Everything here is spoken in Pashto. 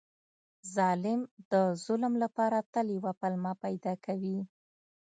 ظالم د ظلم لپاره تل یوه پلمه پیدا کوي.